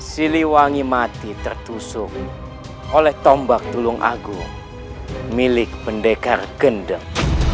siliwangi mati tertusuk oleh tombak tulung agung milik pendekar gendeng